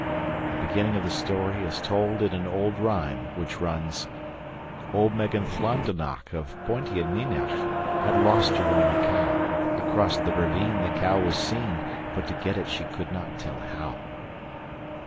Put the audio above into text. The beginning of the story is told in an old rhyme which runs: "Old Megan Llandunach of Pont y Mynach Had lost her only cow; Across the ravine the cow was seen, _But to get it she could not tell how.